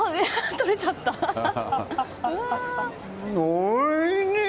おいしい！